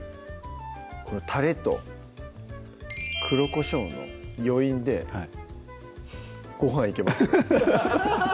このたれと黒こしょうの余韻でごはんいけますね